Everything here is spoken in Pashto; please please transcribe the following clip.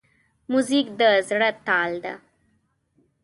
موزیک د زړه تال ده.